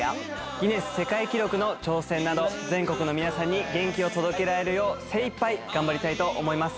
ギネス世界記録の挑戦など全国の皆さんに元気を届けられるよう精いっぱい頑張りたいと思います。